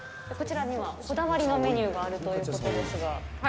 こちらにはこだわりのメニューがあるということですが。